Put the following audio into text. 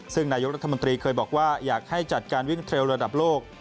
ซึ่งนายกรัฐมนตรีเคยบอกว่าอยากให้จัดการวิ่งเทรลระดับโลก